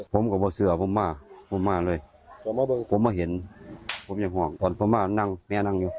ผมว่าเสือผมว่าผมว่าเลยผมว่าเห็นผมยังห่วงตอนผมว่านั่งแม่นั่งอยู่